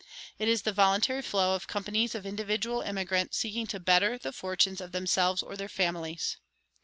It is the voluntary flow of companies of individual emigrants seeking to better the fortunes of themselves or their families.